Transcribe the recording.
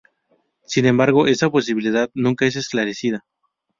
Sin embargo, esa posibilidad nunca es esclarecida.